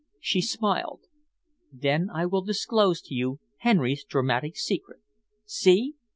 She smiled. "Then I will disclose to you Henry's dramatic secret. See!"